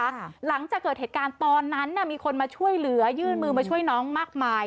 หลังจากเกิดเหตุการณ์ตอนนั้นน่ะมีคนมาช่วยเหลือยื่นมือมาช่วยน้องมากมาย